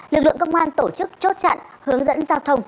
lực lượng công an tổ chức chốt chặn hướng dẫn giao thông